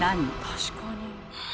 確かに。